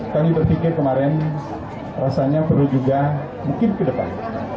kami berpikir kemarin rasanya perlu juga mungkin ke depan